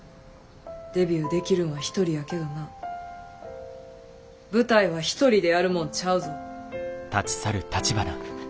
デビューできるんは１人やけどな舞台は１人でやるもんちゃうぞ。